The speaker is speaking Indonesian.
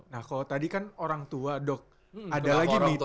nah kalau tadi kan orang tua dok ada lagi nih